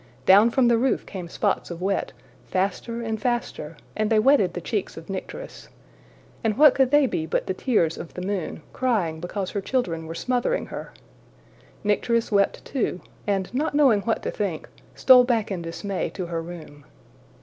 Down from the roof came spots of wet, faster and faster, and they wetted the cheeks of Nycteris; and what could they be but the tears of the moon, crying because her children were smothering her? Nycteris wept too and, not knowing what to think, stole back in dismay to her room.